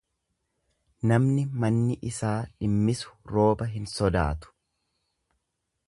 Namni manni isaa dhimmisu rooba hin sodaatu.